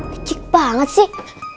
kecik banget sih